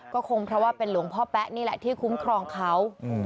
ก็คงเพราะว่าเป็นหลวงพ่อแป๊ะนี่แหละที่คุ้มครองเขา